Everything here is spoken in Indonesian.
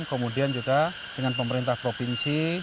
kemudian juga dengan pemerintah provinsi